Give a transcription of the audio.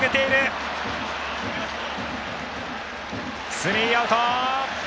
スリーアウト。